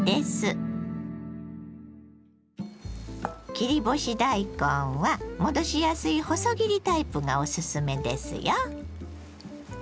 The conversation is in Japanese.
切り干し大根は戻しやすい細切りタイプがおすすめですよ。